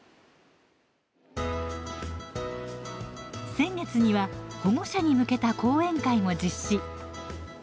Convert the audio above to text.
先月には保護者に向けた講演会も実施。